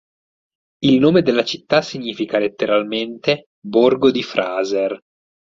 Il nome della città significa, letteralmente, 'borgo di Fraser'.